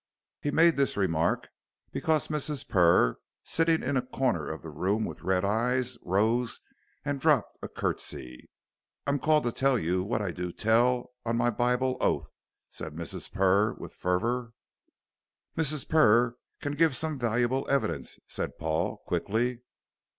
He made this remark, because Mrs. Purr, sitting in a corner of the room with red eyes, rose and dropped a curtsey. "I'm called to tell you what I do tell on my Bible oath," said Mrs. Purr, with fervor. "Mrs. Purr can give some valuable evidence," said Paul, quickly.